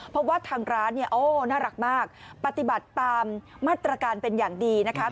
เพราะว่าทางร้านเนี่ยโอ้น่ารักมากปฏิบัติตามมาตรการเป็นอย่างดีนะคะ